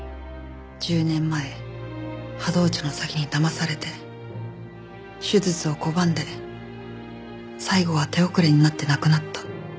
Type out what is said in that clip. １０年前波動茶の詐欺に騙されて手術を拒んで最後は手遅れになって亡くなった。